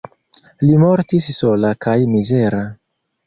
Li mortis sola kaj mizera.